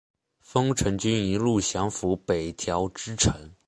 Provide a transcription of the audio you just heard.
丰臣军一路降伏北条支城。